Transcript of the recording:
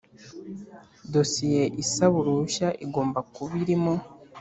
Dosiye isaba uruhushya igomba kuba irimo